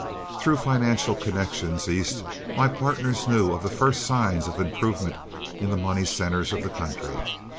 Through financial connections East my partners knew of the first signs of improvement in the money centres of the country.